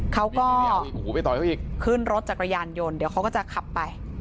เขาก็ขึ้นรถจากกระยานยนต์เดี๋ยวเขาก็จะขับไป